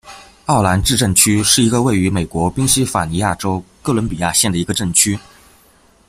奥兰治镇区是一个位于美国宾夕法尼亚州哥伦比亚县的一个镇区。